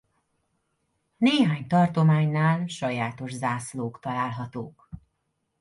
Néhány tartománynál sajátos zászlók találhatók.